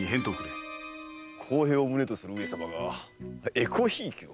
公平を旨とする上様がえこひいきを？